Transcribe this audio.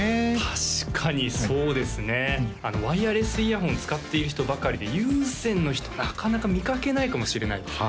確かにそうですねワイヤレスイヤホンを使っている人ばかりで有線の人なかなか見かけないかもしれないですね